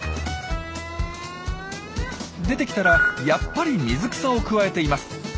出てきたらやっぱり水草をくわえています。